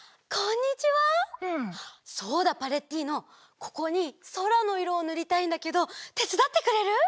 ここにそらのいろをぬりたいんだけどてつだってくれる？